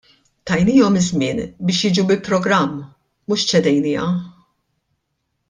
Tajniehom iż-żmien biex jiġu bi programm mhux ċedejnieha.